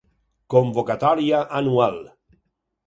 Convocatòria anual.